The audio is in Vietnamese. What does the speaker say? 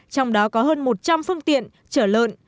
trong đó có hơn một trăm linh phương tiện trở lợn